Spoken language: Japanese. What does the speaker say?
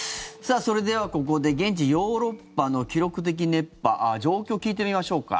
それではここで現地ヨーロッパの記録的熱波状況を聞いてみましょうか。